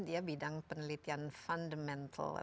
dia bidang penelitian fundamental